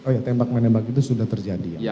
oh iya tembak menembak itu sudah terjadi